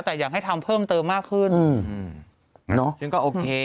แต่อยากให้ทำเพิ่มเติมมากขึ้นอืมเนอะซึ่งก็โอเค